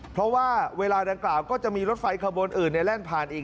เพราะว่าเวลาดังกล่าวก็จะมีรถไฟขบวนอื่นในแล่นผ่านอีก